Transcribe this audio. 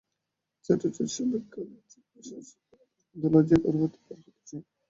চাটুজ্যেদের সাবেক কালের জীর্ণসাজপরা বরকন্দাজেরা লজ্জায় ঘর হতে বার হতে চায় না।